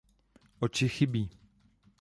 Oči chybí.